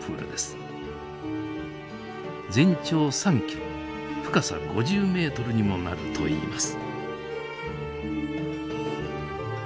全長３ｋｍ深さ５０ｍにもなるといいます。